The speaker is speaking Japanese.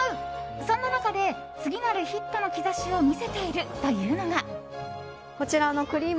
そんな中で次なるヒットの兆しを見せているというのが。